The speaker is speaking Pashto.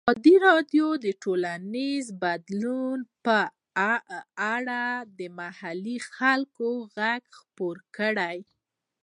ازادي راډیو د ټولنیز بدلون په اړه د محلي خلکو غږ خپور کړی.